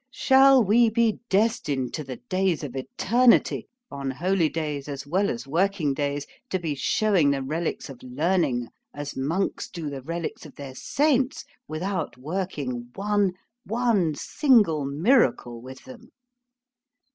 Shall we be destined to the days of eternity, on holy days, as well as working days, to be shewing the relicks of learning, as monks do the relicks of their saints—without working one—one single miracle with them?